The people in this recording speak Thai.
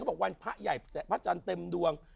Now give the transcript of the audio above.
บอกวันพระใหญ่พระจันทร์เต็มดวง